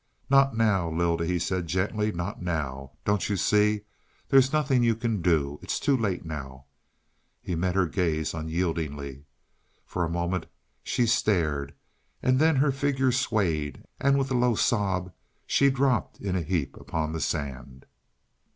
"Not now, Lylda," he said gently. "Not now. Don't you see? There's nothing you can do; it's too late now." He met her gaze unyielding. For a moment she stared; then her figure swayed and with a low sob she dropped in a heap upon the sand.